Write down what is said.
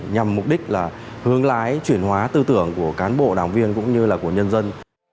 nhằm mục đích là hướng lái chuyển hóa tư tưởng của cán bộ đảng viên cũng như là của nhân dân